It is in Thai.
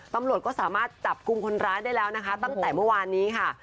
ตำรวจก็สามารถจับกลุ่มคนร้ายได้แล้วนะคะตั้งแต่เมื่อวานนี้ค่ะ